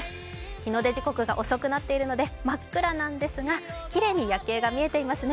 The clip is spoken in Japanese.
日の出時刻が遅くなっているので真っ暗なんですがきれいに夜景が見えていますね。